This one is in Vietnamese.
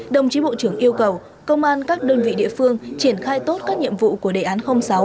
đồng chí bộ trưởng yêu cầu công an các đơn vị địa phương triển khai tốt các nhiệm vụ của đề án sáu